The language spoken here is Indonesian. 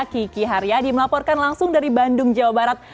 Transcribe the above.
kiki haryadi melaporkan langsung dari bandung jawa barat